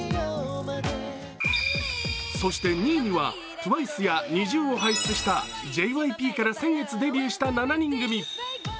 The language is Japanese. そして２位にはＴＷＩＣＥやＮｉｚｉＵを輩出したＪＹＰから先月デビューした７人組。